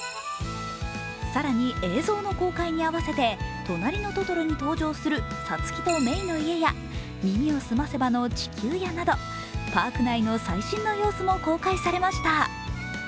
更に映像の公開に合わせて「となりのトトロ」に登場するサツキとメイの家や「耳をすませば」の地球屋などパーク内の最新の様子も公開されました。